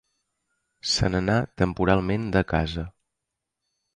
Se n'anà temporalment de casa.